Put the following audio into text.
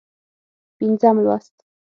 پينځم لوست